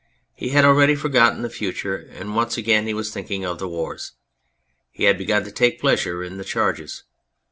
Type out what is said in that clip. He had already forgotten the future, and once again he was thinking of the wars. He had begun to take pleasure in the charges.